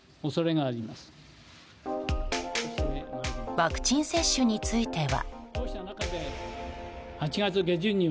ワクチン接種については。